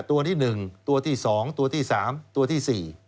ตัวที่๑ตัวที่๒ตัวที่๓ตัวที่๔